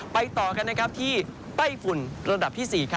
ต่อกันที่ไต้ฝุ่นระดับที่๔